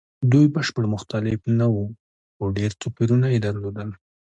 دوی بشپړ مختلف نه وو؛ خو ډېر توپیرونه یې درلودل.